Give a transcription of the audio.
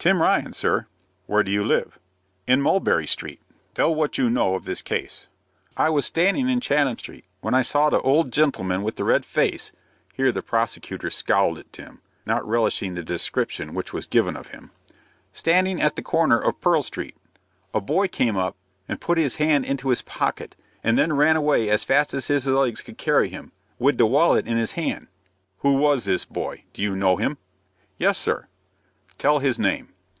"Tim Ryan, sir." "Where do you live?" "In Mulberry Street." "Tell what you know of this case." "I was standing in Chatham Street, when I saw the ould gintleman with the red face (here the prosecutor scowled at Tim, not relishing the description which was given of him) standing at the corner of Pearl Street. A boy came up, and put his hand into his pocket, and then run away as fast as his legs could carry him, wid the wallet in his hand." "Who was this boy? Do you know him?" "Yes, sir." "Tell his name."